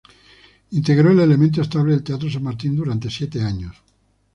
Integró el elenco estable del teatro San Martín durante siete años.